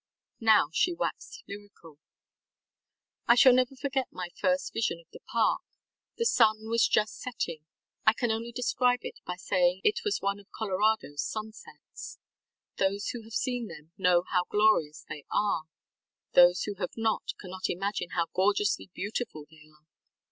Now she waxed lyrical. ŌĆ£I shall never forget my first vision of the park. The sun was just setting. I can only describe it by saying it was one of ColoradoŌĆÖs sunsets. Those who have seen them know how glorious they are. Those who have not cannot imagine how gorgeously beautiful they are.